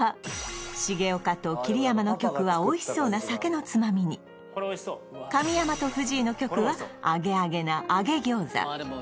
重岡と桐山の曲はおいしそうな酒のつまみに神山と藤井の曲はアゲアゲな揚げ餃子